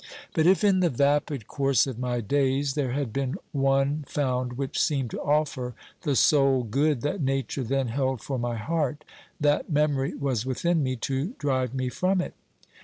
But if in the vapid course of my days there had been one found which seemed to offer the sole good that Nature then held for my heart, that memory was within me to drive me from it.